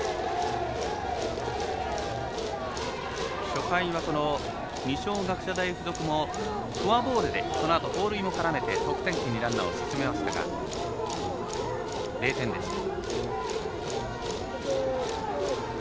初回は、この二松学舎大付属もフォアボールで、このあと盗塁も絡めて得点圏ランナーを進めましたが０点でした。